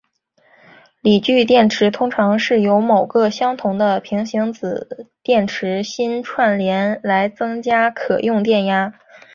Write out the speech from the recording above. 锂聚电池通常是由数个相同的平行子电池芯串联来增加可用电压。